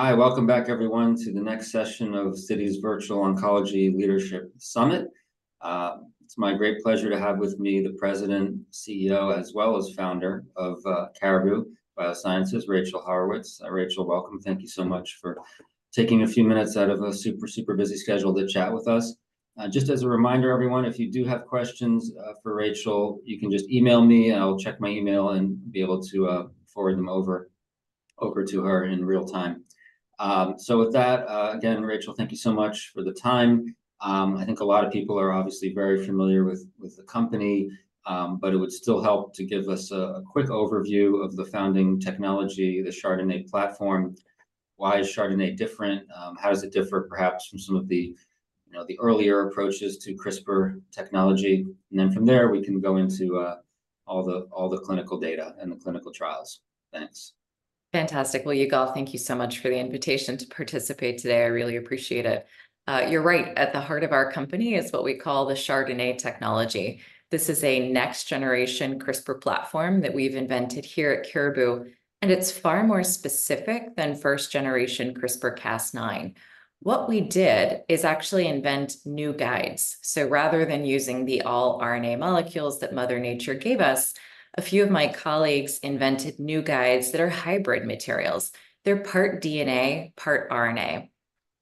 Hi, welcome back, everyone, to the next session of Citi's Virtual Oncology Leadership Summit. It's my great pleasure to have with me the president, CEO, as well as founder of Caribou Biosciences, Rachel Haurwitz. Rachel, welcome. Thank you so much for taking a few minutes out of a super, super busy schedule to chat with us. Just as a reminder, everyone, if you do have questions for Rachel, you can just email me, and I will check my email and be able to forward them over to her in real time. So with that, again, Rachel, thank you so much for the time. I think a lot of people are obviously very familiar with the company, but it would still help to give us a quick overview of the founding technology, the chRDNA platform. Why is chRDNA different? How does it differ perhaps from some of the, you know, the earlier approaches to CRISPR technology? And then from there, we can go into all the, all the clinical data and the clinical trials. Thanks. Fantastic. Well, Yigal, thank you so much for the invitation to participate today. I really appreciate it. You're right, at the heart of our company is what we call the chRDNA technology. This is a next-generation CRISPR platform that we've invented here at Caribou, and it's far more specific than first-generation CRISPR-Cas9. What we did is actually invent new guides, so rather than using the all-RNA molecules that Mother Nature gave us, a few of my colleagues invented new guides that are hybrid materials. They're part DNA, part RNA,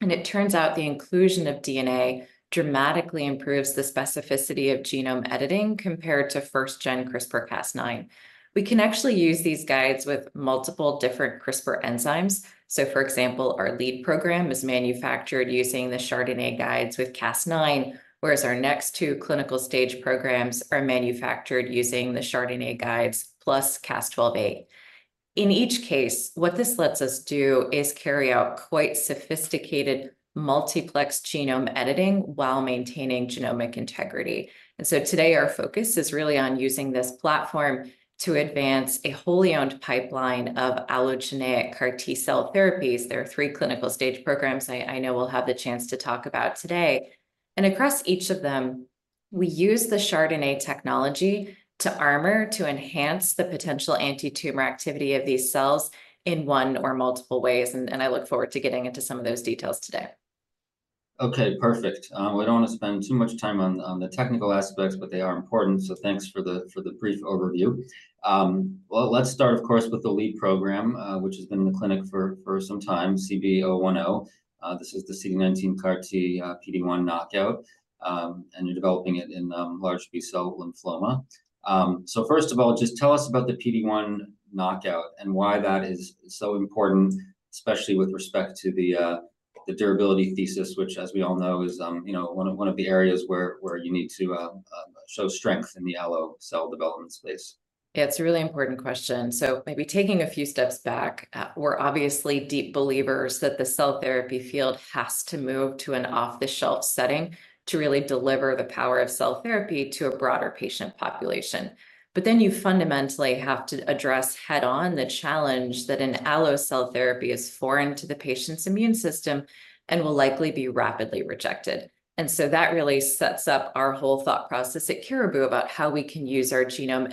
and it turns out the inclusion of DNA dramatically improves the specificity of genome editing compared to first-gen CRISPR-Cas9. We can actually use these guides with multiple different CRISPR enzymes. So, for example, our lead program is manufactured using the chRDNA guides with Cas9, whereas our next two clinical stage programs are manufactured using the chRDNA guides plus Cas12a. In each case, what this lets us do is carry out quite sophisticated multiplex genome editing while maintaining genomic integrity. And so today our focus is really on using this platform to advance a wholly owned pipeline of allogeneic CAR-T cell therapies. There are three clinical-stage programs I, I know we'll have the chance to talk about today. And across each of them, we use the chRDNA technology to armor, to enhance the potential anti-tumor activity of these cells in one or multiple ways, and, and I look forward to getting into some of those details today. Okay, perfect. We don't want to spend too much time on the technical aspects, but they are important, so thanks for the brief overview. Well, let's start, of course, with the lead program, which has been in the clinic for some time, CB-010. This is the CD19 CAR T, PD-1 knockout, and you're developing it in large B-cell lymphoma. So first of all, just tell us about the PD-1 knockout and why that is so important, especially with respect to the durability thesis, which, as we all know, is, you know, one of the areas where you need to show strength in the allo cell development space. Yeah, it's a really important question. So maybe taking a few steps back, we're obviously deep believers that the cell therapy field has to move to an off-the-shelf setting to really deliver the power of cell therapy to a broader patient population. But then you fundamentally have to address head-on the challenge that an allo cell therapy is foreign to the patient's immune system and will likely be rapidly rejected. And so that really sets up our whole thought process at Caribou about how we can use our genome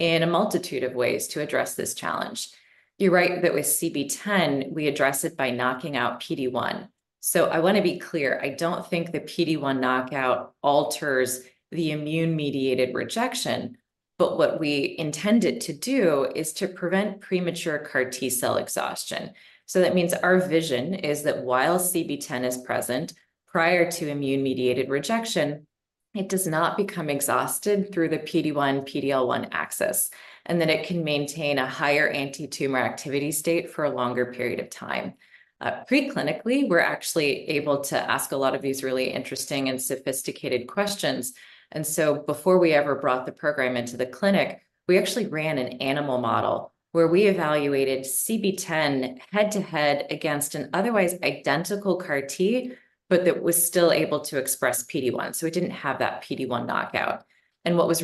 editing in a multitude of ways to address this challenge. You're right that with CB-010, we address it by knocking out PD-1. So I want to be clear: I don't think the PD-1 knockout alters the immune-mediated rejection, but what we intend it to do is to prevent premature CAR-T cell exhaustion. So that means our vision is that while CB-010 is present prior to immune-mediated rejection, it does not become exhausted through the PD-1, PD-L1 axis, and that it can maintain a higher anti-tumor activity state for a longer period of time. Preclinically, we're actually able to ask a lot of these really interesting and sophisticated questions, and so before we ever brought the program into the clinic, we actually ran an animal model where we evaluated CB-010 head-to-head against an otherwise identical CAR-T, but that was still able to express PD-1, so it didn't have that PD-1 knockout. And so that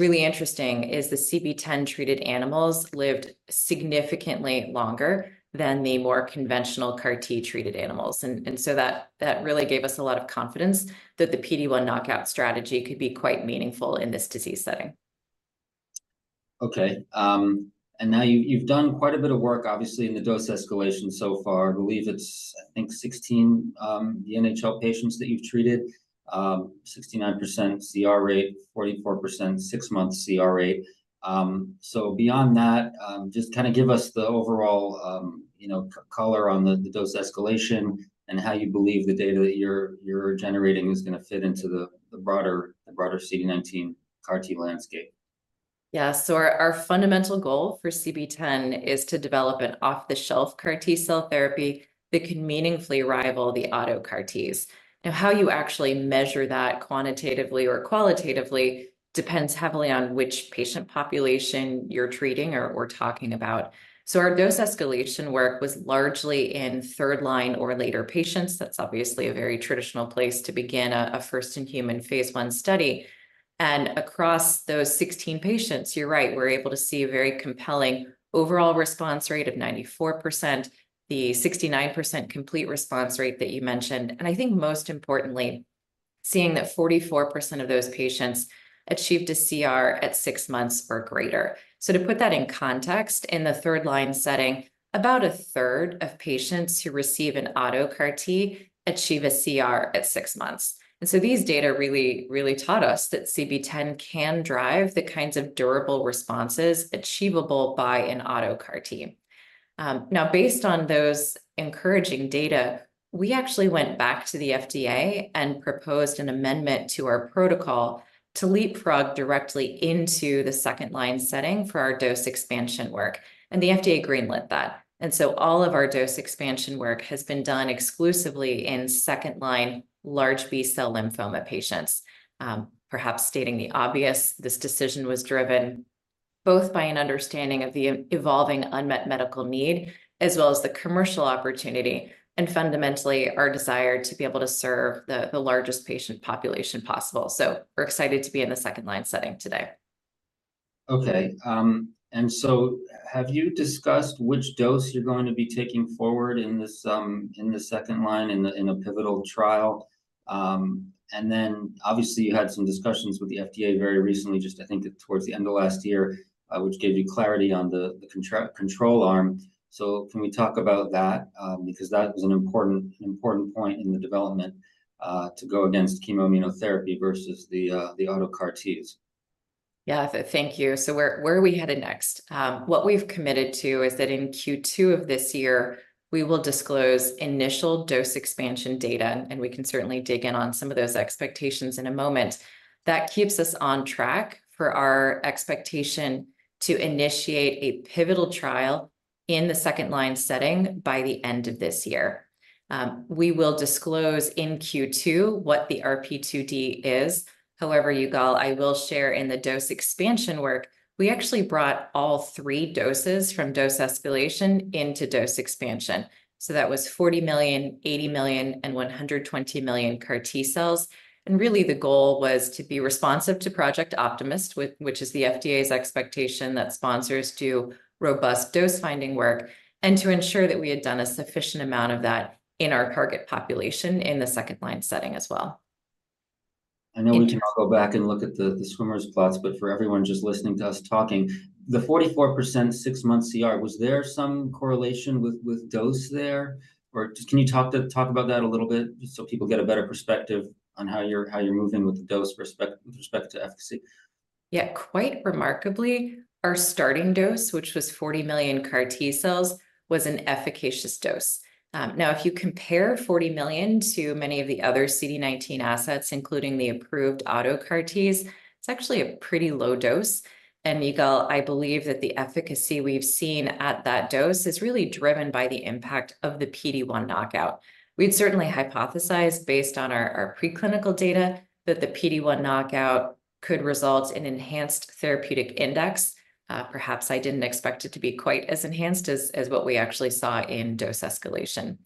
really gave us a lot of confidence that the PD-1 knockout strategy could be quite meaningful in this disease setting. Okay, and now you've done quite a bit of work, obviously, in the dose escalation so far. I believe it's, I think, 16 the NHL patients that you've treated, 69% CR rate, 44% six-month CR rate. So beyond that, just kind of give us the overall, you know, color on the dose escalation and how you believe the data that you're generating is gonna fit into the broader CD19 CAR-T landscape. Yeah, so our fundamental goal for CB-010 is to develop an off-the-shelf CAR-T-cell therapy that can meaningfully rival the auto CAR-Ts. Now, how you actually measure that quantitatively or qualitatively depends heavily on which patient population you're treating or talking about. So our dose escalation work was largely in third line or later patients. That's obviously a very traditional place to begin a first-in-human phase I study. And across those 16 patients, you're right, we're able to see a very compelling overall response rate of 94%, the 69% complete response rate that you mentioned, and I think most importantly, seeing that 44% of those patients achieved a CR at six months or greater. So to put that in context, in the third line setting, about a third of patients who receive an auto CAR-T achieve a CR at six months. And so these data really, really taught us that CB-010 can drive the kinds of durable responses achievable by an auto CAR-T. Now, based on those encouraging data, we actually went back to the FDA and proposed an amendment to our protocol to leapfrog directly into the second-line setting for our dose expansion work, and the FDA greenlit that. All of our dose expansion work has been done exclusively in second-line large B-cell lymphoma patients. Perhaps stating the obvious, this decision was driven both by an understanding of the evolving unmet medical need as well as the commercial opportunity and fundamentally, our desire to be able to serve the largest patient population possible. We're excited to be in the second-line setting today. Okay, and so have you discussed which dose you're going to be taking forward in this, in the second line, in a pivotal trial? And then obviously, you had some discussions with the FDA very recently, just I think towards the end of last year, which gave you clarity on the control arm. So can we talk about that? Because that was an important point in the development to go against chemo immunotherapy versus the auto CAR-Ts. Yeah, thank you. So where, where are we headed next? What we've committed to is that in Q2 of this year, we will disclose initial dose expansion data, and we can certainly dig in on some of those expectations in a moment. That keeps us on track for our expectation to initiate a pivotal trial in the second-line setting by the end of this year. We will disclose in Q2 what the RP2D is. However, Yigal, I will share in the dose expansion work, we actually brought all three doses from dose escalation into dose expansion. So that was 40 million, 80 million, and 120 million CAR T cells. And really, the goal was to be responsive to Project Optimus, which is the FDA's expectation that sponsors do robust dose-finding work, and to ensure that we had done a sufficient amount of that in our target population in the second-line setting as well. I know we can all go back and look at the swimmer's plots, but for everyone just listening to us talking, the 44% six-month CR, was there some correlation with dose there? Or just... Can you talk about that a little bit, just so people get a better perspective on how you're moving with the dose respect, with respect to efficacy? Yeah, quite remarkably, our starting dose, which was 40 million CAR-T cells, was an efficacious dose. Now, if you compare 40 million to many of the other CD19 assets, including the approved auto CAR-Ts, it's actually a pretty low dose. And Yigal, I believe that the efficacy we've seen at that dose is really driven by the impact of the PD-1 knockout. We'd certainly hypothesized, based on our preclinical data, that the PD-1 knockout could result in enhanced therapeutic index. Perhaps I didn't expect it to be quite as enhanced as what we actually saw in dose escalation.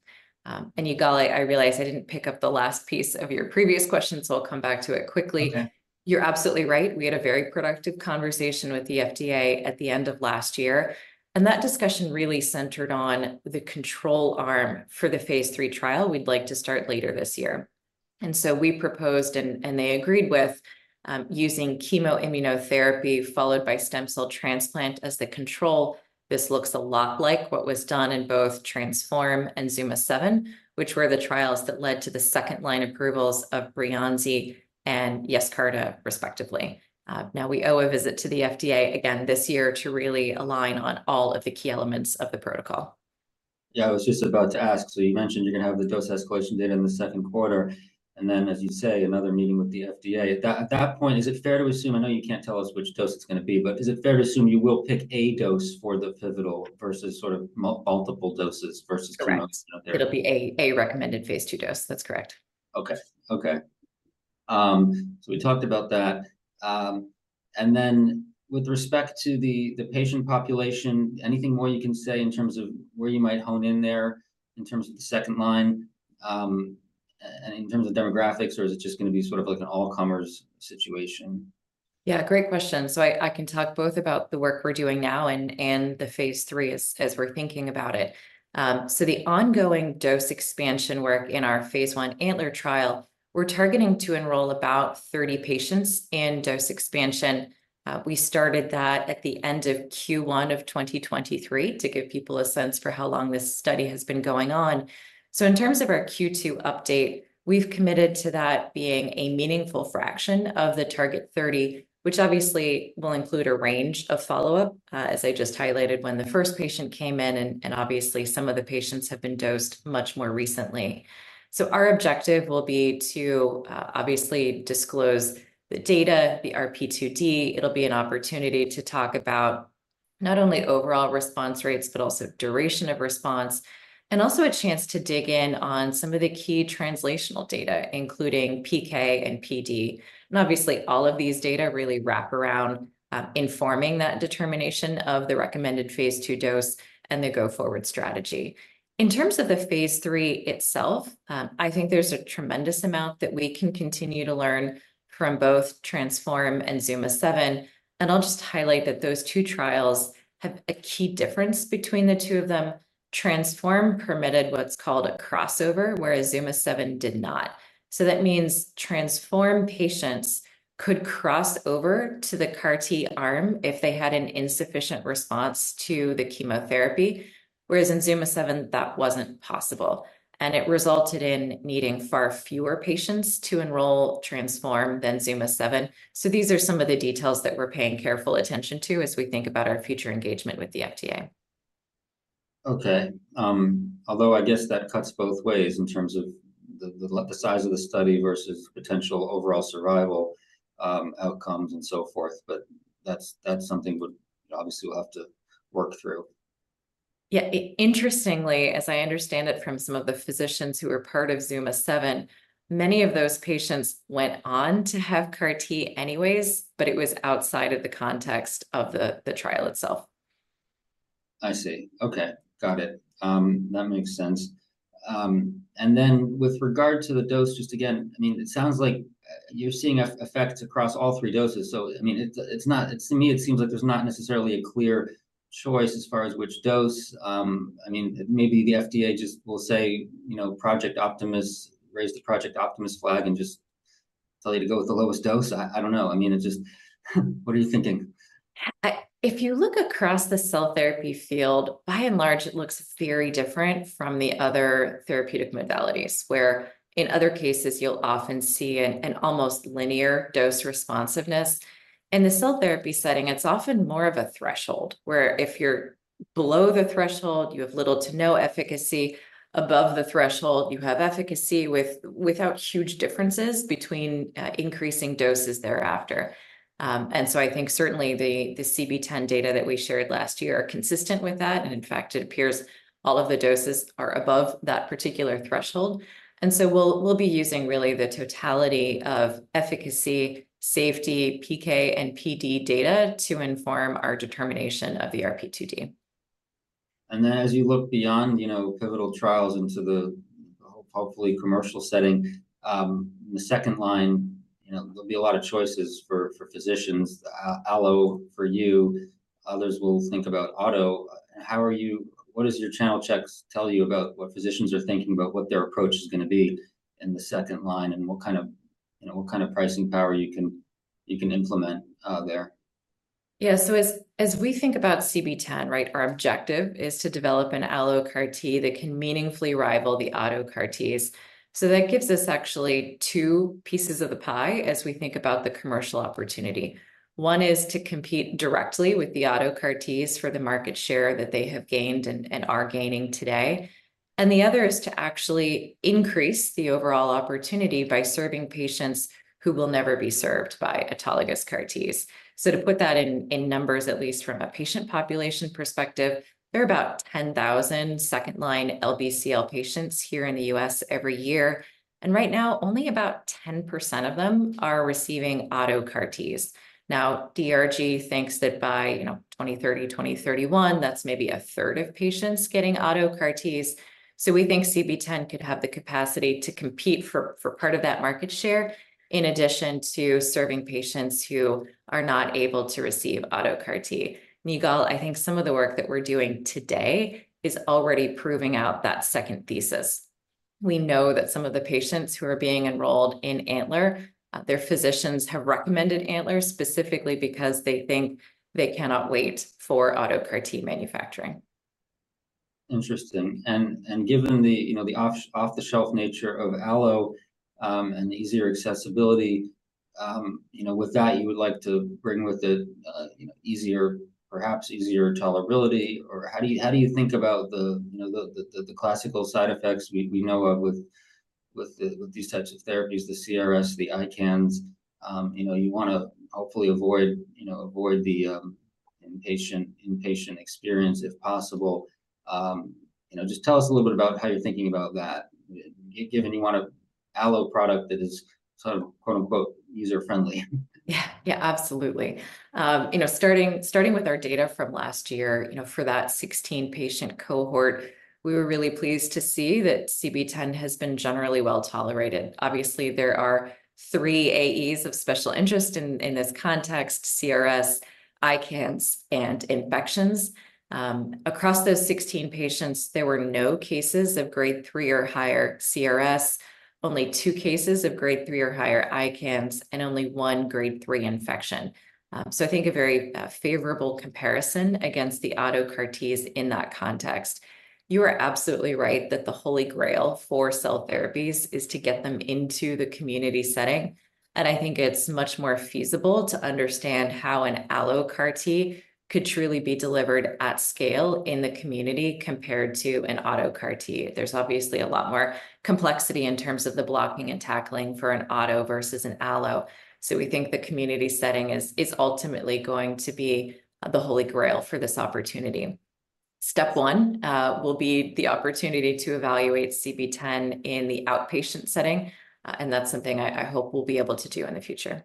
And Yigal, I realize I didn't pick up the last piece of your previous question, so I'll come back to it quickly. Okay. You're absolutely right. We had a very productive conversation with the FDA at the end of last year, and that discussion really centered on the control arm for the phase III trial we'd like to start later this year. And so we proposed, and they agreed with using chemo immunotherapy followed by stem cell transplant as the control. This looks a lot like what was done in both TRANSFORM and ZUMA-7, which were the trials that led to the second-line approvals of Breyanzi and Yescarta, respectively. Now, we owe a visit to the FDA again this year to really align on all of the key elements of the protocol. Yeah, I was just about to ask. So you mentioned you're going to have the dose escalation data in the second quarter, and then, as you say, another meeting with the FDA. At that point, is it fair to assume... I know you can't tell us which dose it's going to be, but is it fair to assume you will pick a dose for the pivotal versus sort of multiple doses versus- Correct. It'll be a recommended Phase II dose. That's correct. Okay. Okay. So we talked about that. And then with respect to the patient population, anything more you can say in terms of where you might hone in there, in terms of the second line, and in terms of demographics, or is it just going to be sort of like an all-comers situation? Yeah, great question. So I, I can talk both about the work we're doing now and, and the phase III as, as we're thinking about it. So the ongoing dose expansion work in our phase I ANTLER trial, we're targeting to enroll about 30 patients in dose expansion. We started that at the end of Q1 of 2023, to give people a sense for how long this study has been going on. So in terms of our Q2 update, we've committed to that being a meaningful fraction of the target 30, which obviously will include a range of follow-up, as I just highlighted when the first patient came in, and, and obviously, some of the patients have been dosed much more recently. So our objective will be to, obviously disclose the data, the RP2D. It'll be an opportunity to talk about not only overall response rates, but also duration of response, and also a chance to dig in on some of the key translational data, including PK and PD. And obviously, all of these data really wrap around, informing that determination of the recommended phase II dose and the go-forward strategy. In terms of the phase III itself, I think there's a tremendous amount that we can continue to learn from both TRANSFORM and ZUMA-7, and I'll just highlight that those two trials have a key difference between the two of them. TRANSFORM permitted what's called a crossover, whereas ZUMA-7 did not. So that means TRANSFORM patients could cross over to the CAR-T arm if they had an insufficient response to the chemotherapy, whereas in ZUMA-7, that wasn't possible, and it resulted in needing far fewer patients to enroll TRANSFORM than ZUMA-7. So these are some of the details that we're paying careful attention to as we think about our future engagement with the FDA. ... Okay, although I guess that cuts both ways in terms of the size of the study versus potential overall survival outcomes and so forth. But that's something we obviously will have to work through. Yeah, interestingly, as I understand it from some of the physicians who are part of ZUMA-7, many of those patients went on to have CAR T anyways, but it was outside of the context of the trial itself. I see. Okay, got it. That makes sense. And then with regard to the dose, just again, I mean, it sounds like you're seeing effects across all three doses. So I mean, it's not... To me, it seems like there's not necessarily a clear choice as far as which dose. I mean, maybe the FDA just will say, you know, Project Optimus, raise the Project Optimus flag, and just tell you to go with the lowest dose. I don't know. I mean, it's just, what are you thinking? If you look across the cell therapy field, by and large, it looks very different from the other therapeutic modalities, where in other cases, you'll often see an almost linear dose responsiveness. In the cell therapy setting, it's often more of a threshold, where if you're below the threshold, you have little to no efficacy. Above the threshold, you have efficacy without huge differences between increasing doses thereafter. And so I think certainly the CB-010 data that we shared last year are consistent with that, and in fact, it appears all of the doses are above that particular threshold. And so we'll be using really the totality of efficacy, safety, PK and PD data to inform our determination of the RP2D. And then, as you look beyond, you know, pivotal trials into the hopefully commercial setting, the second line, you know, there'll be a lot of choices for physicians, allo for you, others will think about auto. How are you? What does your channel checks tell you about what physicians are thinking about what their approach is gonna be in the second line? And what kind of, you know, what kind of pricing power you can implement there? Yeah. So as we think about CB-010, right? Our objective is to develop an allo CAR-T that can meaningfully rival the auto CAR-Ts. So that gives us actually two pieces of the pie as we think about the commercial opportunity. One is to compete directly with the auto CAR-Ts for the market share that they have gained and are gaining today, and the other is to actually increase the overall opportunity by serving patients who will never be served by autologous CAR-Ts. So to put that in numbers, at least from a patient population perspective, there are about 10,000 second-line LBCL patients here in the U.S. every year, and right now, only about 10% of them are receiving auto CAR-Ts. Now, DRG thinks that by, you know, 2030, 2031, that's maybe a third of patients getting auto CAR Ts. So we think CB-010 could have the capacity to compete for, for part of that market share, in addition to serving patients who are not able to receive auto CAR T. Yigal, I think some of the work that we're doing today is already proving out that second thesis. We know that some of the patients who are being enrolled in ANTLER, their physicians have recommended ANTLER specifically because they think they cannot wait for auto CAR T manufacturing. Interesting. Given the, you know, the off-the-shelf nature of allo, and easier accessibility, you know, with that, you would like to bring with it, you know, easier, perhaps easier tolerability. Or how do you think about the, you know, the classical side effects we know of with these types of therapies, the CRS, the ICANS? You know, you wanna hopefully avoid, you know, avoid the inpatient experience, if possible. You know, just tell us a little bit about how you're thinking about that, given you want an allo product that is sort of, quote unquote, "user-friendly. Yeah. Yeah, absolutely. You know, starting with our data from last year, you know, for that 16-patient cohort, we were really pleased to see that CB-010 has been generally well-tolerated. Obviously, there are three AEs of special interest in this context: CRS, ICANS, and infections. Across those 16 patients, there were no cases of Grade 3 or higher CRS, only 2 cases of Grade 3 or higher ICANS, and only one Grade 3 infection. So I think a very favorable comparison against the auto CAR-Ts in that context. You are absolutely right that the holy grail for cell therapies is to get them into the community setting, and I think it's much more feasible to understand how an allo CAR-T could truly be delivered at scale in the community compared to an auto CAR-T. There's obviously a lot more complexity in terms of the blocking and tackling for an auto versus an allo, so we think the community setting is ultimately going to be the holy grail for this opportunity. Step one will be the opportunity to evaluate CB-010 in the outpatient setting, and that's something I hope we'll be able to do in the future.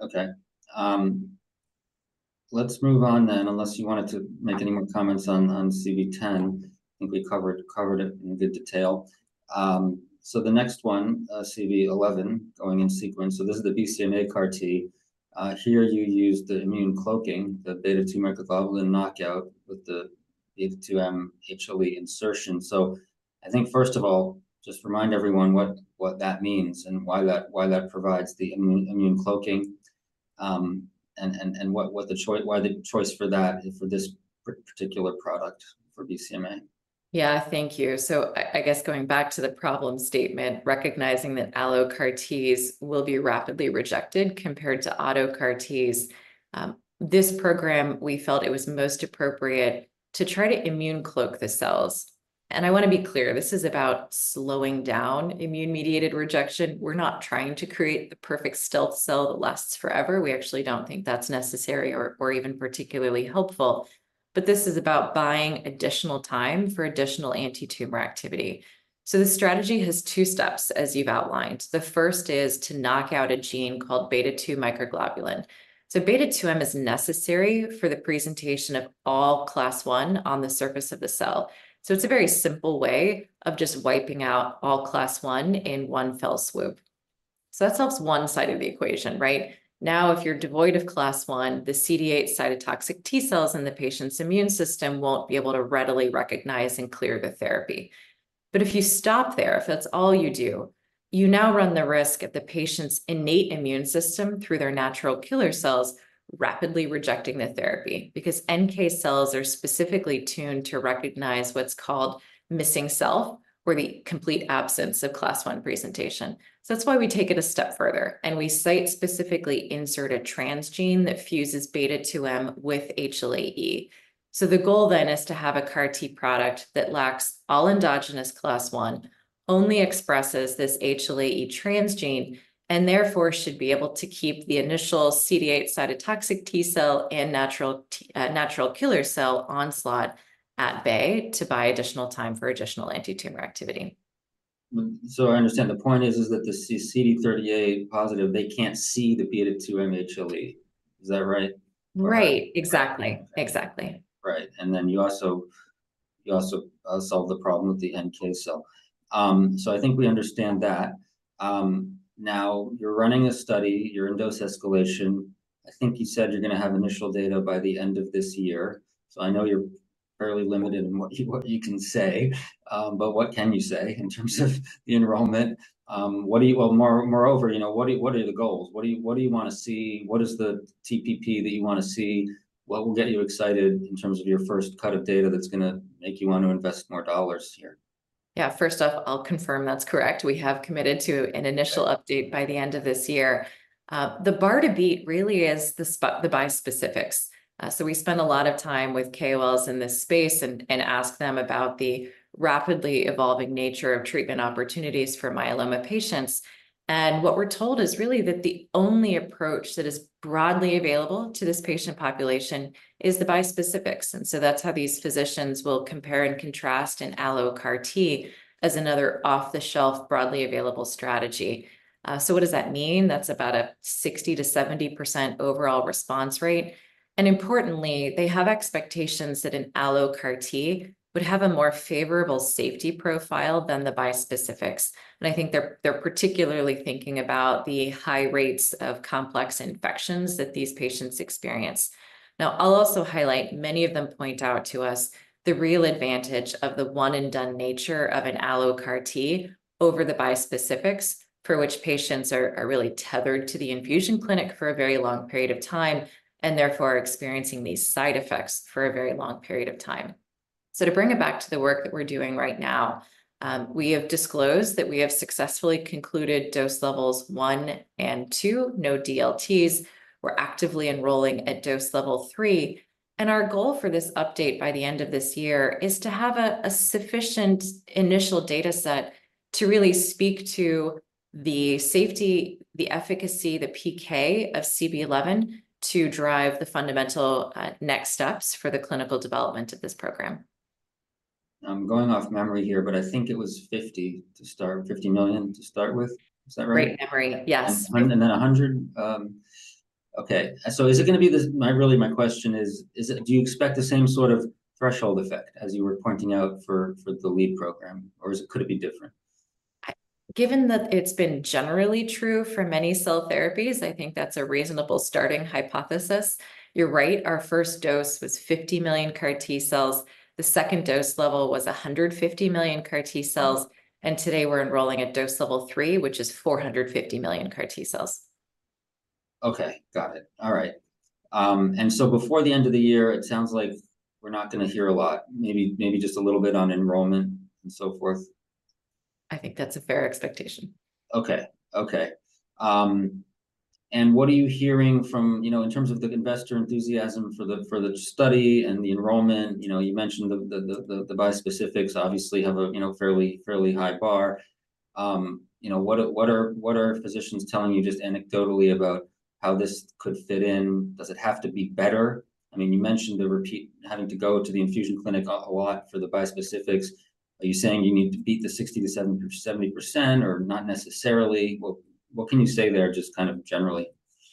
Okay. Let's move on then, unless you wanted to make any more comments on, on CB-010. I think we covered, covered it in good detail. So the next one, CB-011, going in sequence, so this is the BCMA CAR-T. Here you used the immune cloaking, the beta-2 microglobulin knockout with the B2M-HLA-E insertion. So I think, first of all, just remind everyone what that means and why that provides the immune cloaking, and what the choice—why the choice for that, for this particular product for BCMA?... Yeah, thank you. So I, I guess going back to the problem statement, recognizing that allo CAR-Ts will be rapidly rejected compared to auto CAR-Ts. This program, we felt it was most appropriate to try to immune cloak the cells. And I want to be clear, this is about slowing down immune-mediated rejection. We're not trying to create the perfect stealth cell that lasts forever. We actually don't think that's necessary or, or even particularly helpful, but this is about buying additional time for additional anti-tumor activity. So the strategy has two steps, as you've outlined. The first is to knock out a gene called beta-2 microglobulin. So beta-2m is necessary for the presentation of all class one on the surface of the cell. So it's a very simple way of just wiping out all class one in one fell swoop. So that solves one side of the equation, right? Now, if you're devoid of class one, the CD8 cytotoxic T cells in the patient's immune system won't be able to readily recognize and clear the therapy. But if you stop there, if that's all you do, you now run the risk of the patient's innate immune system, through their natural killer cells, rapidly rejecting the therapy. Because NK cells are specifically tuned to recognize what's called missing self, or the complete absence of class one presentation. So that's why we take it a step further, and we site-specifically insert a transgene that fuses beta-2M with HLA-E. So the goal then is to have a CAR-T product that lacks all endogenous class I, only expresses this HLA-E transgene, and therefore should be able to keep the initial CD8 cytotoxic T cell and natural killer cell onslaught at bay to buy additional time for additional anti-tumor activity. So I understand the point is that the CD38-positive, they can't see the beta-2m HLA-E. Is that right? Right. Exactly. Exactly. Right, and then you also solve the problem with the NK cell. So I think we understand that. Now, you're running a study, you're in dose escalation. I think you said you're gonna have initial data by the end of this year. So I know you're fairly limited in what you can say, but what can you say in terms of the enrollment? Well, moreover, you know, what are the goals? What do you want to see? What is the TPP that you want to see? What will get you excited in terms of your first cut of data that's gonna make you want to invest more dollars here? Yeah. First off, I'll confirm that's correct. We have committed to an initial update by the end of this year. The bar to beat really is the bispecifics. So we spend a lot of time with KOLs in this space and ask them about the rapidly evolving nature of treatment opportunities for myeloma patients. And what we're told is really that the only approach that is broadly available to this patient population is the bispecifics, and so that's how these physicians will compare and contrast an allo CAR T as another off-the-shelf, broadly available strategy. So what does that mean? That's about a 60%-70% overall response rate. Importantly, they have expectations that an allo CAR-T would have a more favorable safety profile than the bispecifics, and I think they're particularly thinking about the high rates of complex infections that these patients experience. Now, I'll also highlight, many of them point out to us the real advantage of the one-and-done nature of an allo CAR-T over the bispecifics, for which patients are really tethered to the infusion clinic for a very long period of time, and therefore are experiencing these side effects for a very long period of time. So to bring it back to the work that we're doing right now, we have disclosed that we have successfully concluded dose levels one and two, no DLTs. We're actively enrolling at dose level three, and our goal for this update by the end of this year is to have a sufficient initial data set to really speak to the safety, the efficacy, the PK of CB-011 to drive the fundamental next steps for the clinical development of this program. I'm going off memory here, but I think it was 50 to start, $50 million to start with. Is that right? Great memory. Yes. Okay, so is it gonna be the... My, really my question is, is it - do you expect the same sort of threshold effect as you were pointing out for the lead program, or is it, could it be different? Given that it's been generally true for many cell therapies, I think that's a reasonable starting hypothesis. You're right, our first dose was 50 million CAR T cells. The second dose level was 150 million CAR T cells, and today we're enrolling at dose level three, which is 450 million CAR T cells. Okay, got it. All right. And so before the end of the year, it sounds like we're not gonna hear a lot, maybe, maybe just a little bit on enrollment and so forth. I think that's a fair expectation. Okay. Okay. And what are you hearing from, you know, in terms of the investor enthusiasm for the study and the enrollment? You know, you mentioned the bispecifics obviously have a, you know, fairly high bar. You know, what are physicians telling you, just anecdotally, about how this could fit in? Does it have to be better? I mean, you mentioned the repeated having to go to the infusion clinic a lot for the bispecifics. Are you saying you need to beat the 60%-70%, or not necessarily? What can you say there, just kind of generally?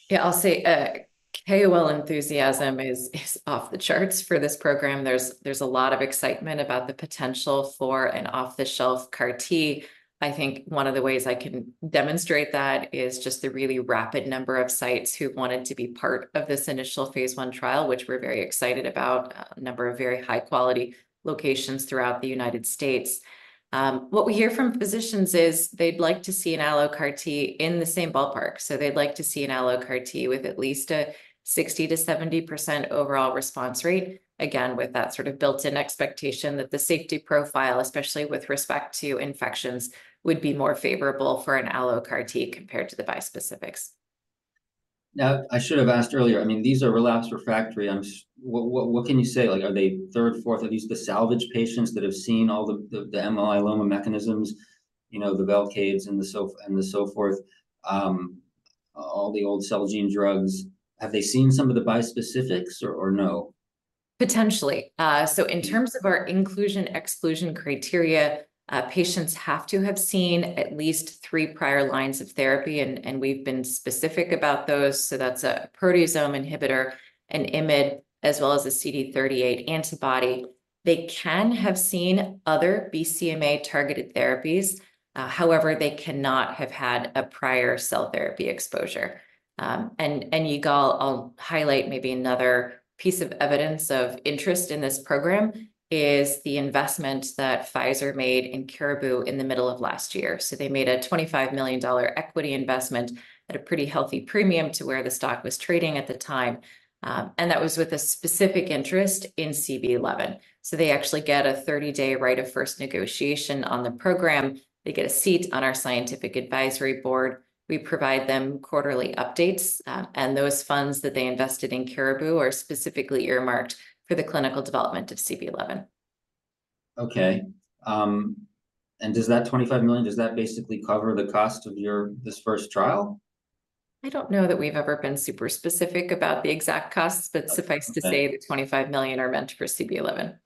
Yeah, I'll say, KOL enthusiasm is off the charts for this program. There's a lot of excitement about the potential for an off-the-shelf CAR-T. I think one of the ways I can demonstrate that is just the really rapid number of sites who've wanted to be part of this initial phase I trial, which we're very excited about, a number of very high-quality locations throughout the United States. What we hear from physicians is, they'd like to see an allo CAR-T in the same ballpark. So they'd like to see an allo CAR-T with at least a 60%-70% overall response rate. Again, with that sort of built-in expectation that the safety profile, especially with respect to infections, would be more favorable for an allo CAR-T compared to the bispecifics. ... Now, I should have asked earlier, I mean, these are relapsed/refractory. What can you say? Like, are they third, fourth? Are these the salvage patients that have seen all the anti-myeloma mechanisms, you know, the Velcade and so forth, all the old Celgene drugs? Have they seen some of the bispecifics or no? Potentially. So in terms of our inclusion/exclusion criteria, patients have to have seen at least three prior lines of therapy, and we've been specific about those, so that's a proteasome inhibitor, an IMiD, as well as a CD38 antibody. They can have seen other BCMA-targeted therapies. However, they cannot have had a prior cell therapy exposure. Yigal, I'll highlight maybe another piece of evidence of interest in this program, is the investment that Pfizer made in Caribou in the middle of last year. So they made a $25 million equity investment at a pretty healthy premium to where the stock was trading at the time. And that was with a specific interest in CB-011. So they actually get a 30-day right of first negotiation on the program. They get a seat on our scientific advisory board. We provide them quarterly updates, and those funds that they invested in Caribou are specifically earmarked for the clinical development of CB-011. Okay. And does that $25 million, does that basically cover the cost of your- this first trial? I don't know that we've ever been super specific about the exact costs- Okay. But suffice to say, the $25 million are meant for CB-011.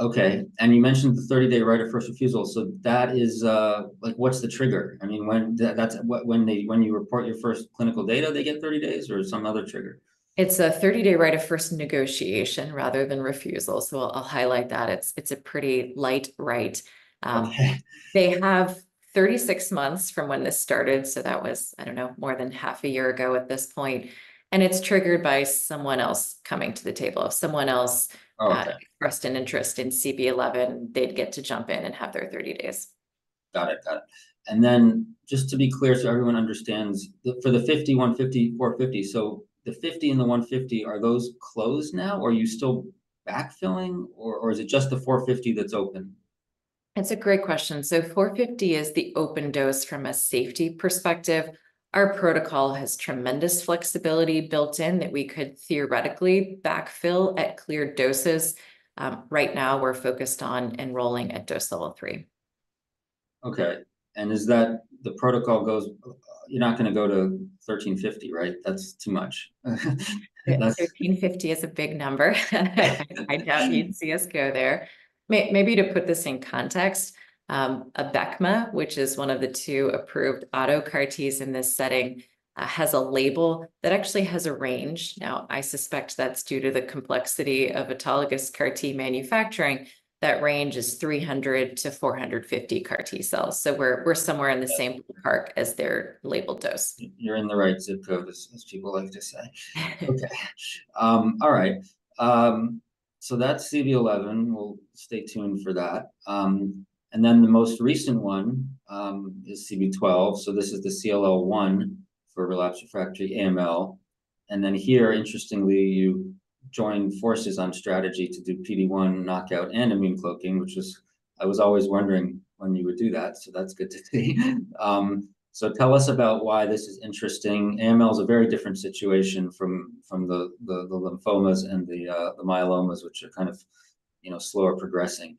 Okay, and you mentioned the 30-day right of first refusal, so that is... Like, what's the trigger? I mean, when you report your first clinical data, they get 30 days, or some other trigger? It's a 30-day right of first negotiation rather than refusal, so I'll highlight that. It's a pretty light right. Okay... they have 36 months from when this started, so that was, I don't know, more than half a year ago at this point, and it's triggered by someone else coming to the table. If someone else- Oh, okay... expressed an interest in CB-011, they'd get to jump in and have their 30 days. Got it, got it. And then just to be clear so everyone understands, the—for the 50, 150, 450, so the 50 and the 150, are those closed now? Are you still backfilling, or is it just the 450 that's open? That's a great question. So 450 is the open dose from a safety perspective. Our protocol has tremendous flexibility built in, that we could theoretically backfill at cleared doses. Right now we're focused on enrolling at dose level three. Okay, and is that... The protocol goes, you're not gonna go to 1,350, right? That's too much. That's- 1,350 is a big number. I doubt you'd see us go there. Maybe to put this in context, Abecma, which is one of the two approved auto CAR-Ts in this setting, has a label that actually has a range. Now, I suspect that's due to the complexity of autologous CAR-T manufacturing. That range is 300-450 CAR-T cells, so we're somewhere in the same park as their label dose. You're in the right zip code, as, as people like to say. Okay. All right. So that's CB-011. We'll stay tuned for that. And then the most recent one is CB-012, so this is the CLL-1 for relapsed/refractory AML. And then here, interestingly, you joined forces on strategy to do PD-1 knockout and immune cloaking, which is... I was always wondering when you would do that, so that's good to see. So tell us about why this is interesting. AML is a very different situation from the lymphomas and the myelomas, which are kind of, you know, slower progressing.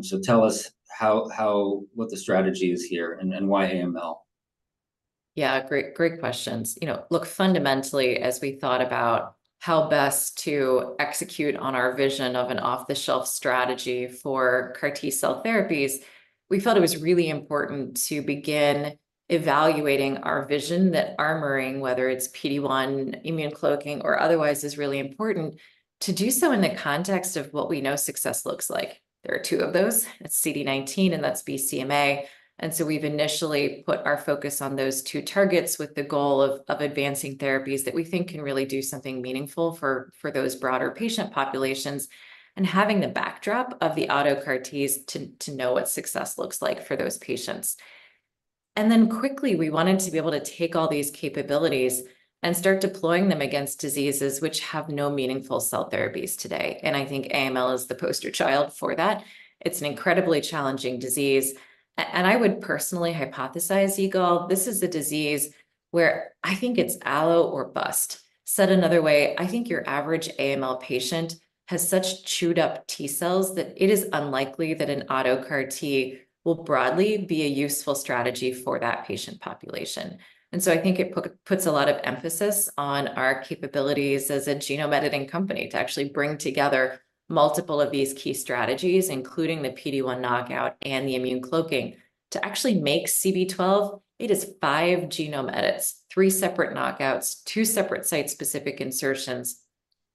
So tell us how what the strategy is here and why AML? Yeah, great, great questions. You know, look, fundamentally, as we thought about how best to execute on our vision of an off-the-shelf strategy for CAR-T cell therapies, we felt it was really important to begin evaluating our vision that armoring, whether it's PD-1, immune cloaking, or otherwise, is really important. To do so in the context of what we know success looks like, there are two of those. That's CD19, and that's BCMA, and so we've initially put our focus on those two targets, with the goal of, of advancing therapies that we think can really do something meaningful for, for those broader patient populations, and having the backdrop of the auto CAR-Ts to, to know what success looks like for those patients. And then quickly, we wanted to be able to take all these capabilities and start deploying them against diseases which have no meaningful cell therapies today, and I think AML is the poster child for that. It's an incredibly challenging disease, and I would personally hypothesize, Yigal, this is a disease where I think it's allo or bust. Said another way, I think your average AML patient has such chewed-up T-cells that it is unlikely that an auto CAR-T will broadly be a useful strategy for that patient population. And so I think it puts a lot of emphasis on our capabilities as a genome editing company to actually bring together multiple of these key strategies, including the PD-1 knockout and the immune cloaking. To actually make CB-012, it is 5 genome edits, 3 separate knockouts, two separate site-specific insertions,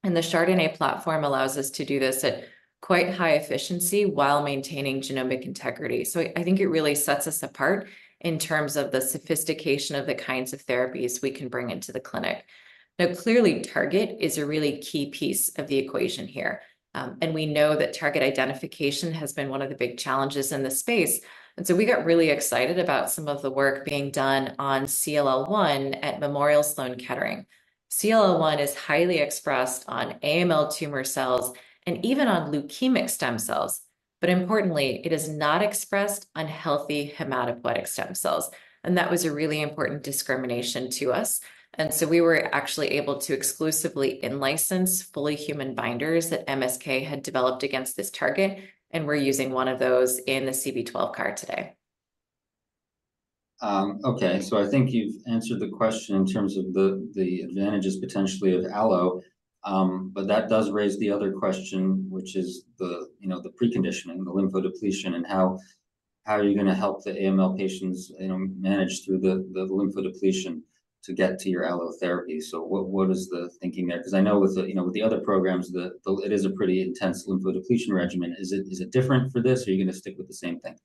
and the chRDNA platform allows us to do this at quite high efficiency while maintaining genomic integrity. So I, I think it really sets us apart in terms of the sophistication of the kinds of therapies we can bring into the clinic. Now, clearly, target is a really key piece of the equation here, and we know that target identification has been one of the big challenges in this space, and so we got really excited about some of the work being done on CLL-1 at Memorial Sloan Kettering. CLL-1 is highly expressed on AML tumor cells and even on leukemic stem cells, but importantly, it is not expressed on healthy hematopoietic stem cells, and that was a really important discrimination to us. And so we were actually able to exclusively in-license fully human binders that MSK had developed against this target, and we're using one of those in the CB-012 CAR today. Okay, so I think you've answered the question in terms of the, the advantages potentially of allo. But that does raise the other question, which is the, you know, the preconditioning, the lymphodepletion, and how, how are you gonna help the AML patients, you know, manage through the, the lymphodepletion to get to your allo therapy? So what, what is the thinking there? 'Cause I know with the, you know, with the other programs, the, the, it is a pretty intense lymphodepletion regimen. Is it, is it different for this, or are you gonna stick with the same thing?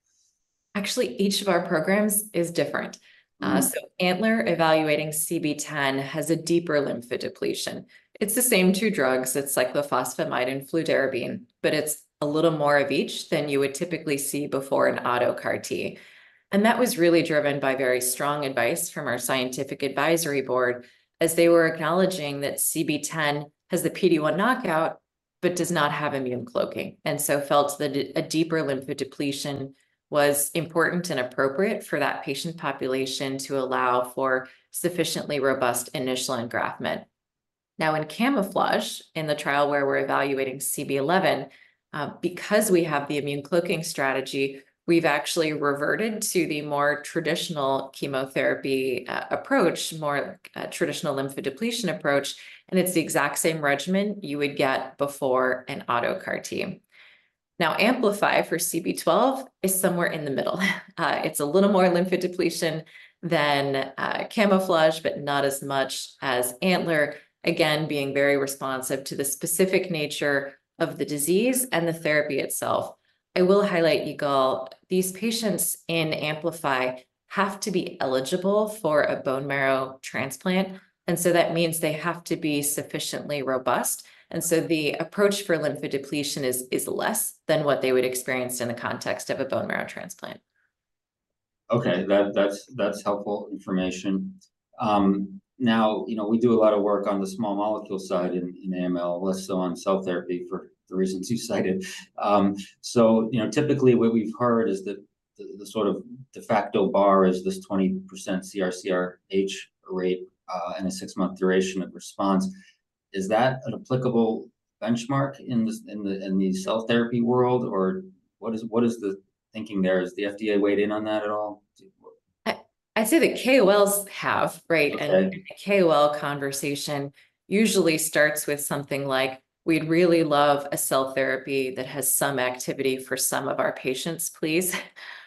Actually, each of our programs is different. Mm-hmm. So ANTLER evaluating CB-010 has a deeper lymphodepletion. It's the same two drugs, it's cyclophosphamide and fludarabine, but it's a little more of each than you would typically see before in auto CAR-T. And that was really driven by very strong advice from our scientific advisory board, as they were acknowledging that CB-010 has the PD-1 knockout, but does not have immune cloaking. And so felt that a deeper lymphodepletion was important and appropriate for that patient population to allow for sufficiently robust initial engraftment. Now, in CaMMouflage, in the trial where we're evaluating CB-011, because we have the immune cloaking strategy, we've actually reverted to the more traditional chemotherapy approach, more traditional lymphodepletion approach, and it's the exact same regimen you would get before an auto CAR-T. Now, AMpLify for CB-012 is somewhere in the middle. It's a little more lymphodepletion than CaMMouflage, but not as much as ANTLER. Again, being very responsive to the specific nature of the disease and the therapy itself. I will highlight, Yigal, these patients in AMpLify have to be eligible for a bone marrow transplant, and so that means they have to be sufficiently robust. And so the approach for lymphodepletion is less than what they would experience in the context of a bone marrow transplant. Okay, that's helpful information. Now, you know, we do a lot of work on the small molecule side in AML, less so on cell therapy, for the reasons you cited. So you know, typically what we've heard is that the sort of de facto bar is this 20% CR rate, and a six-month duration of response. Is that an applicable benchmark in the cell therapy world, or what is the thinking there? Has the FDA weighed in on that at all? Do... I'd say the KOLs have, right? Okay. A KOL conversation usually starts with something like, "We'd really love a cell therapy that has some activity for some of our patients, please.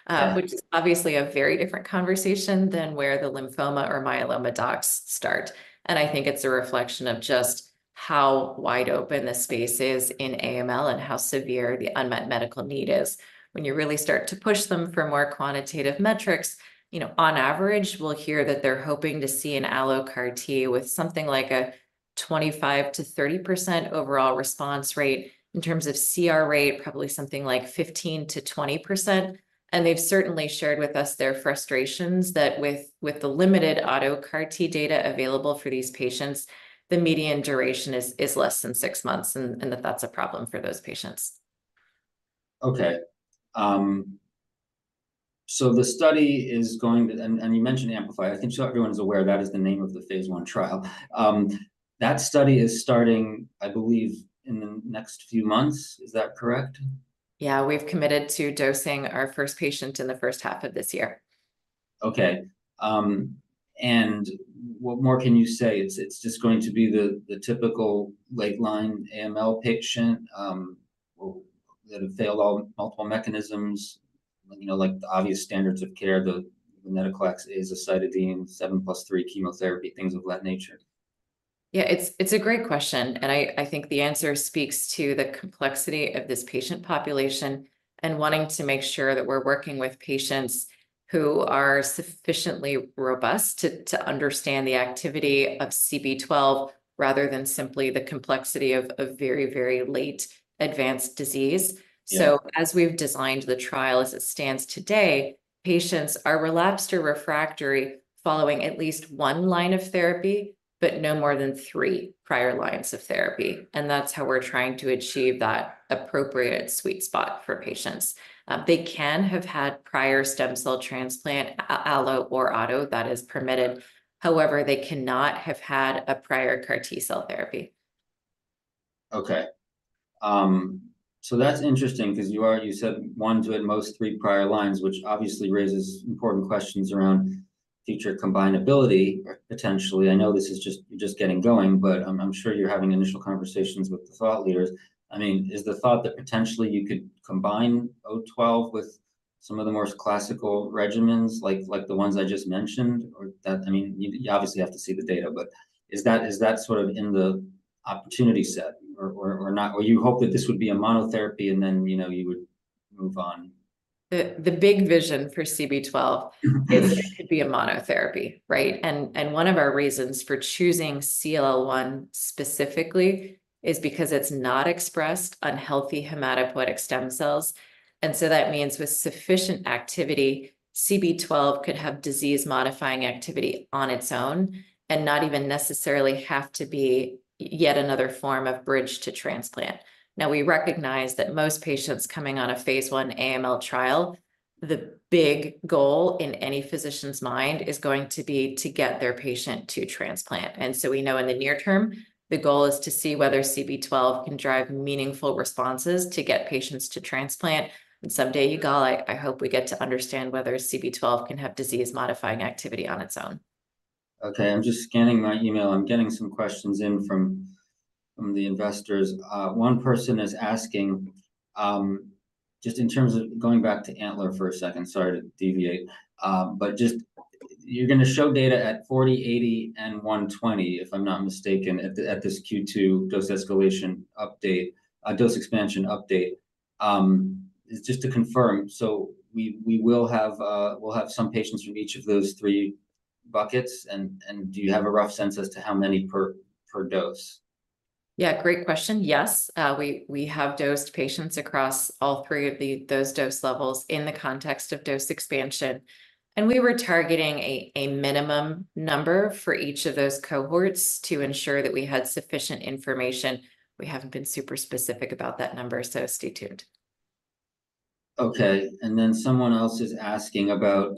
Yeah... which is obviously a very different conversation than where the lymphoma or myeloma docs start. I think it's a reflection of just how wide open the space is in AML and how severe the unmet medical need is. When you really start to push them for more quantitative metrics, you know, on average, we'll hear that they're hoping to see an allo CAR T with something like a 25%-30% overall response rate. In terms of CR rate, probably something like 15%-20%, and they've certainly shared with us their frustrations that with the limited auto CAR T data available for these patients, the median duration is less than six months, and that that's a problem for those patients. Okay, so the study is going to... And you mentioned AMpLify. I think, so everyone is aware, that is the name of the phase I trial. That study is starting, I believe, in the next few months. Is that correct? Yeah, we've committed to dosing our first patient in the first half of this year. Okay, and what more can you say? It's just going to be the typical late-line AML patient, well, that have failed all multiple mechanisms, you know, like the obvious standards of care, the venetoclax, azacitidine, 7 + 3 chemotherapy, things of that nature? Yeah, it's a great question, and I think the answer speaks to the complexity of this patient population and wanting to make sure that we're working with patients who are sufficiently robust to understand the activity of CB-012, rather than simply the complexity of very, very late advanced disease. Yeah. As we've designed the trial as it stands today, patients are relapsed or refractory following at least one line of therapy, but no more than three prior lines of therapy, and that's how we're trying to achieve that appropriate sweet spot for patients. They can have had prior stem cell transplant, allo or auto. That is permitted. However, they cannot have had a prior CAR T-cell therapy. Okay, so that's interesting, 'cause you already said one to, at most, three prior lines, which obviously raises important questions around future combinability, potentially. I know this is just—you're just getting going, but I'm sure you're having initial conversations with the thought leaders. I mean, is the thought that potentially you could combine CB-012 with some of the more classical regimens, like the ones I just mentioned? Or that, I mean, you obviously have to see the data, but is that sort of in the opportunity set or not? Or you hope that this would be a monotherapy, and then, you know, you would move on? The big vision for CB-012 is that it could be a monotherapy, right? And one of our reasons for choosing CLL-1 specifically is because it's not expressed on healthy hematopoietic stem cells. And so that means with sufficient activity, CB-012 could have disease-modifying activity on its own and not even necessarily have to be yet another form of bridge to transplant. Now, we recognize that most patients coming on a phase I AML trial, the big goal in any physician's mind is going to be to get their patient to transplant. And so we know in the near term, the goal is to see whether CB-012 can drive meaningful responses to get patients to transplant. And someday, Yigal, I hope we get to understand whether CB-012 can have disease-modifying activity on its own. Okay, I'm just scanning my email. I'm getting some questions in from the investors. One person is asking, just in terms of going back to ANTLER for a second, sorry to deviate. But just, you're gonna show data at 40, 80, and 120, if I'm not mistaken, at this Q2 dose escalation update... dose expansion update. Just to confirm, so we will have some patients from each of those three buckets? And do you have a rough sense as to how many per dose? Yeah, great question. Yes, we have dosed patients across all three of those dose levels in the context of dose expansion. And we were targeting a minimum number for each of those cohorts to ensure that we had sufficient information. We haven't been super specific about that number, so stay tuned. Okay, and then someone else is asking about,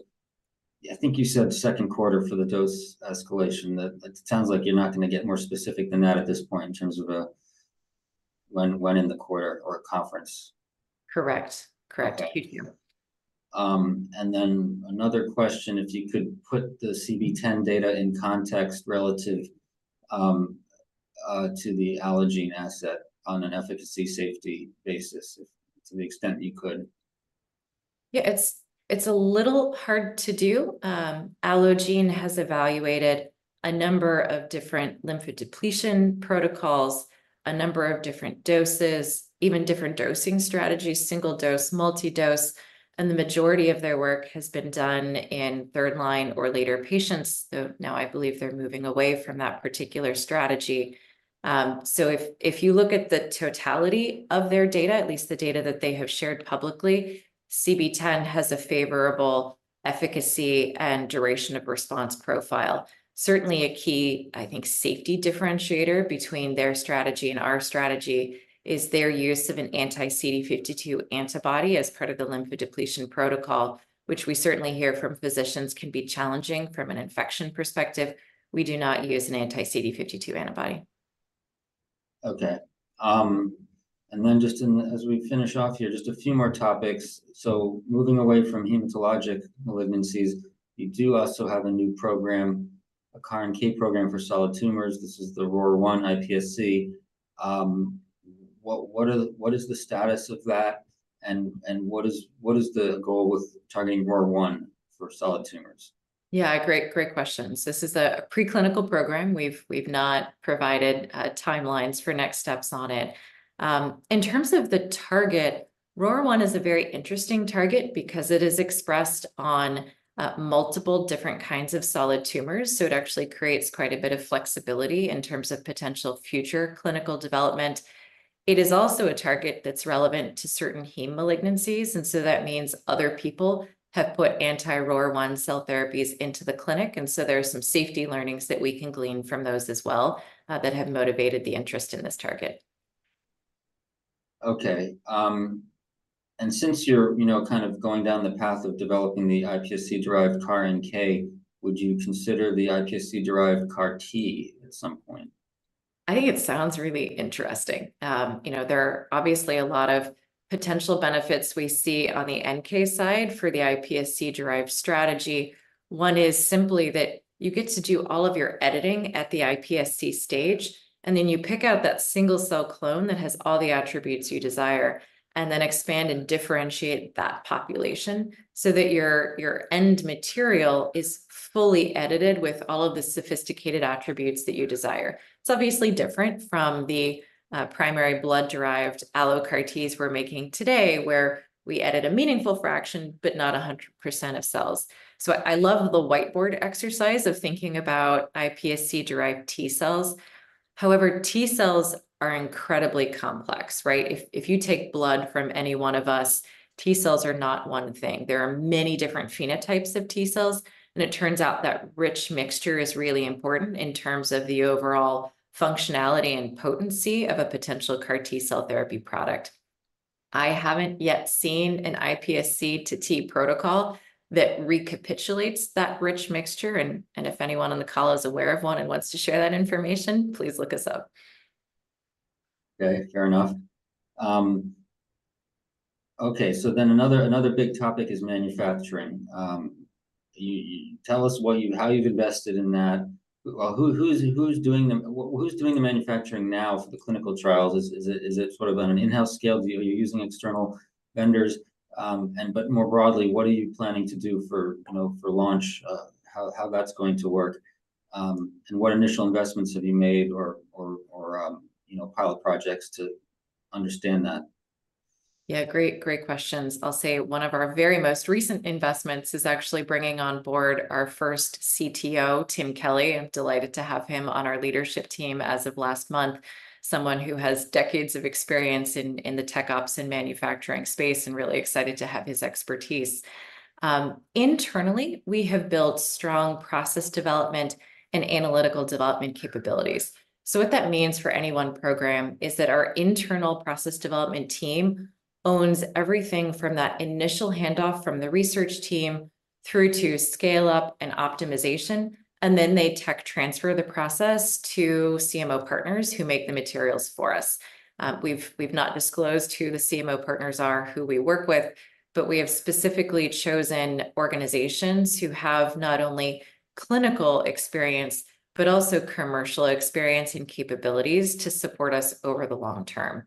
I think you said second quarter for the dose escalation, that it sounds like you're not gonna get more specific than that at this point in terms of, when in the quarter or conference. Correct. Correct. Okay. Thank you. And then another question, if you could put the CB-010 data in context relative to the Allogene asset on an efficacy/safety basis, if to the extent you could. Yeah, it's a little hard to do. Allogene has evaluated a number of different lymphodepletion protocols, a number of different doses, even different dosing strategies, single dose, multi-dose, and the majority of their work has been done in third line or later patients, though now I believe they're moving away from that particular strategy. So if you look at the totality of their data, at least the data that they have shared publicly, CB-010 has a favorable efficacy and duration of response profile. Certainly a key, I think, safety differentiator between their strategy and our strategy is their use of an anti-CD52 antibody as part of the lymphodepletion protocol, which we certainly hear from physicians can be challenging from an infection perspective. We do not use an anti-CD52 antibody. Okay. And then just in, as we finish off here, just a few more topics. So moving away from hematologic malignancies, you do also have a new program, a CAR-NK program for solid tumors. This is the ROR1 iPSC. What is the status of that, and what is the goal with targeting ROR1 for solid tumors? Yeah, great, great questions. This is a preclinical program. We've not provided timelines for next steps on it. In terms of the target, ROR1 is a very interesting target because it is expressed on multiple different kinds of solid tumors, so it actually creates quite a bit of flexibility in terms of potential future clinical development. It is also a target that's relevant to certain heme malignancies, and so that means other people have put anti-ROR1 cell therapies into the clinic. And so there are some safety learnings that we can glean from those as well, that have motivated the interest in this target. Okay. Since you're, you know, kind of going down the path of developing the iPSC-derived CAR-NK, would you consider the iPSC-derived CAR-T at some point? I think it sounds really interesting. You know, there are obviously a lot of potential benefits we see on the NK side for the iPSC-derived strategy. One is simply that you get to do all of your editing at the iPSC stage, and then you pick out that single-cell clone that has all the attributes you desire, and then expand and differentiate that population so that your end material is fully edited with all of the sophisticated attributes that you desire. It's obviously different from the primary blood-derived allo CAR-Ts we're making today, where we edit a meaningful fraction, but not 100% of cells. So I love the whiteboard exercise of thinking about iPSC-derived T cells. However, T cells are incredibly complex, right? If you take blood from any one of us, T cells are not one thing. There are many different phenotypes of T cells, and it turns out that rich mixture is really important in terms of the overall functionality and potency of a potential CAR T cell therapy product. I haven't yet seen an iPSC to T protocol that recapitulates that rich mixture, and if anyone on the call is aware of one and wants to share that information, please look us up. Okay, fair enough. Okay, so then another big topic is manufacturing. Tell us how you've invested in that. Well, who's doing the manufacturing now for the clinical trials? Is it sort of on an in-house scale? Are you using external vendors? But more broadly, what are you planning to do for, you know, for launch? How that's going to work, and what initial investments have you made or, you know, pilot projects to understand that? Yeah, great, great questions. I'll say one of our very most recent investments is actually bringing on board our first CTO, Tim Kelly. I'm delighted to have him on our leadership team as of last month. Someone who has decades of experience in the tech ops and manufacturing space, and really excited to have his expertise. Internally, we have built strong process development and analytical development capabilities. So what that means for any one program is that our internal process development team owns everything from that initial handoff from the research team through to scale-up and optimization, and then they tech transfer the process to CMO partners, who make the materials for us. We've not disclosed who the CMO partners are, who we work with, but we have specifically chosen organizations who have not only clinical experience, but also commercial experience and capabilities to support us over the long term.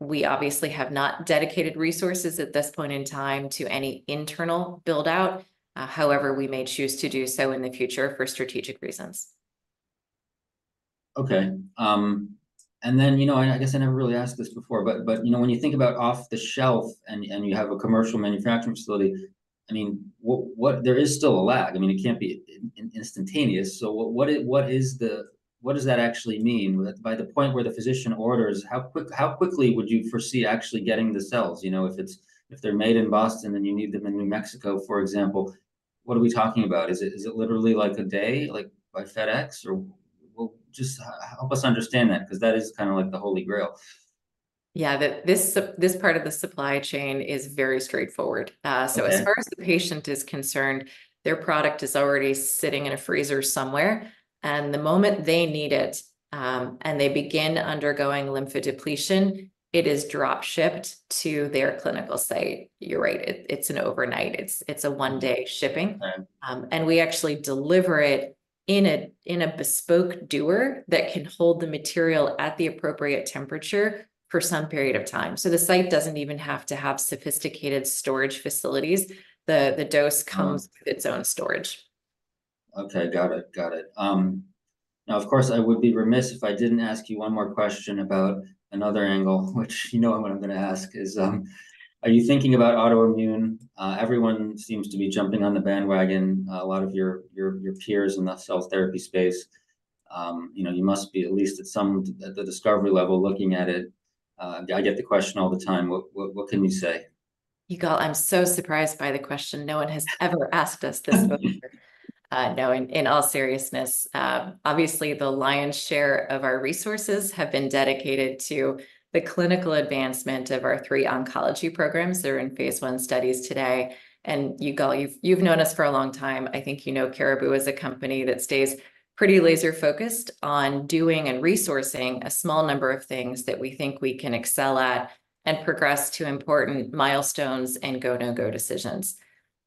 We obviously have not dedicated resources at this point in time to any internal build-out. However, we may choose to do so in the future for strategic reasons. Okay, and then, you know, and I guess I never really asked this before, but, you know, when you think about off-the-shelf and, and you have a commercial manufacturing facility, I mean, what... There is still a lag. I mean, it can't be instantaneous. So what is-- what does that actually mean? By the point where the physician orders, how quickly would you foresee actually getting the cells? You know, if they're made in Boston, and you need them in New Mexico, for example, what are we talking about? Is it literally, like, a day, like, by FedEx, or...? Well, just help us understand that, 'cause that is kind of like the Holy Grail. Yeah, this part of the supply chain is very straightforward. Okay. So as far as the patient is concerned, their product is already sitting in a freezer somewhere, and the moment they need it, and they begin undergoing lymphodepletion, it is drop-shipped to their clinical site. You're right, it's an overnight, it's a one-day shipping. Yeah. We actually deliver it in a bespoke dewar that can hold the material at the appropriate temperature for some period of time. So the site doesn't even have to have sophisticated storage facilities. The dose- Mm... comes with its own storage. Okay, got it, got it. Now, of course, I would be remiss if I didn't ask you one more question about another angle, which you know what I'm gonna ask, is, are you thinking about autoimmune? Everyone seems to be jumping on the bandwagon, a lot of your peers in the cell therapy space. You know, you must be at least at some, at the discovery level, looking at it. I get the question all the time. What can you say? Yigal, I'm so surprised by the question. No one has ever asked us this before. No, in all seriousness, obviously, the lion's share of our resources have been dedicated to the clinical advancement of our three oncology programs that are in phase I studies today. And Yigal, you've known us for a long time. I think you know Caribou is a company that stays pretty laser-focused on doing and resourcing a small number of things that we think we can excel at and progress to important milestones and go/no-go decisions.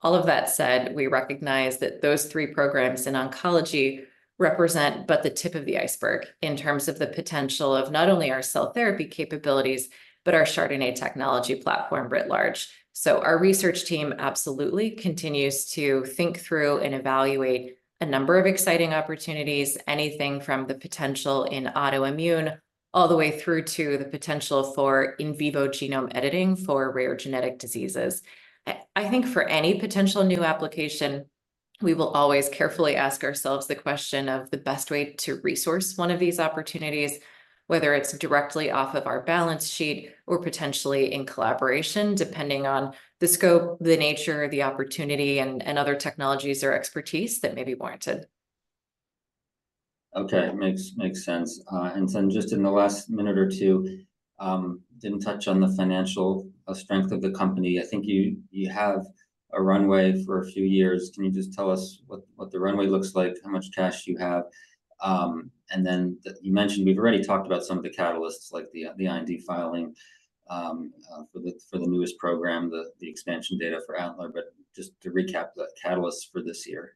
All of that said, we recognize that those three programs in oncology represent but the tip of the iceberg in terms of the potential of not only our cell therapy capabilities, but our chRDNA technology platform writ large. So our research team absolutely continues to think through and evaluate a number of exciting opportunities, anything from the potential in autoimmune, all the way through to the potential for in vivo genome editing for rare genetic diseases. I, I think for any potential new application, we will always carefully ask ourselves the question of the best way to resource one of these opportunities, whether it's directly off of our balance sheet or potentially in collaboration, depending on the scope, the nature, the opportunity, and, and other technologies or expertise that may be warranted. Okay, makes sense. And then just in the last minute or two, didn't touch on the financial strength of the company. I think you have a runway for a few years. Can you just tell us what the runway looks like, how much cash you have? And then the... You mentioned we've already talked about some of the catalysts, like the IND filing for the newest program, the expansion data for ANTLER, but just to recap the catalysts for this year.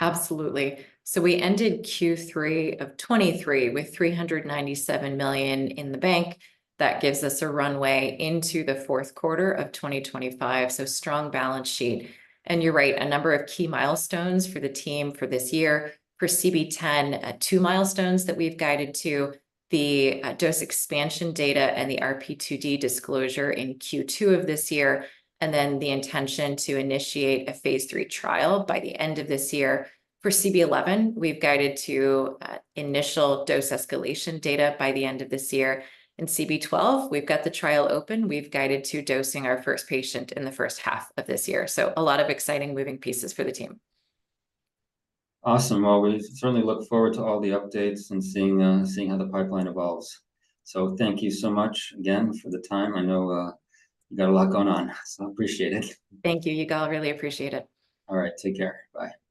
Absolutely. So we ended Q3 of 2023 with $397 million in the bank. That gives us a runway into the fourth quarter of 2025, so strong balance sheet. And you're right, a number of key milestones for the team for this year. For CB-010, two milestones that we've guided to, the dose expansion data and the RP2D disclosure in Q2 of this year, and then the intention to initiate a Phase III trial by the end of this year. For CB-011, we've guided to initial dose escalation data by the end of this year. In CB-012, we've got the trial open. We've guided to dosing our first patient in the first half of this year, so a lot of exciting moving pieces for the team. Awesome. Well, we certainly look forward to all the updates and seeing, seeing how the pipeline evolves. Thank you so much again for the time. I know, you got a lot going on, so I appreciate it. Thank you, Yigal. Really appreciate it. All right, take care. Bye.